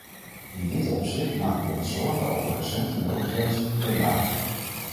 In dit opzicht maken we ons zorgen over recente loontrends hier en daar.